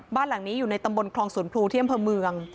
บ้านหลังนี้อยู่ในตำบลคลองศูนย์ภูเที่ยมเผอร์เมือง